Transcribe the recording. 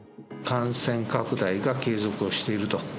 感染拡大が継続をしていると。